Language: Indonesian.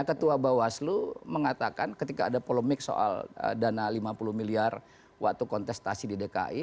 ketua bawaslu mengatakan ketika ada polemik soal dana lima puluh miliar waktu kontestasi di dki